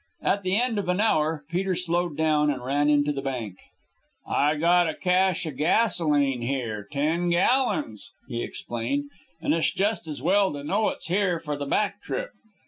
At the end of an hour, Peter slowed down and ran in to the bank. "I got a cache of gasoline here ten gallons," he explained, "and it's just as well to know it's here for the back trip."